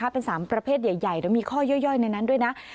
เป็น๓ประเภทใหญ่แล้วมีข้อย่อยในนั้นด้วยนะ